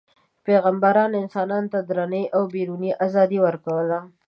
پیغمبران انسانانو ته دروني او بیروني ازادي ورکوله.